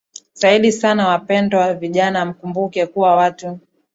Zaidi sana wapendwa vijana mkumbuke kuwa Watu